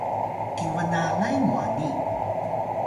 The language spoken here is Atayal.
kinbnalay mwani